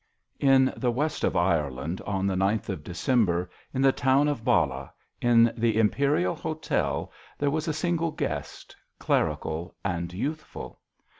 I. the west of Ireland, on the gth of December, in the town of Ballah, in the Imperial Hotel there was a single guest, clerical and youthful.